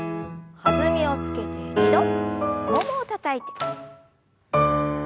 弾みをつけて２度ももをたたいて。